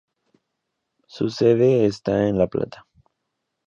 Su sede está en La Plata.